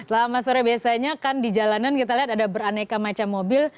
selama sore biasanya kan di jalanan kita lihat ada beraneka macam mobil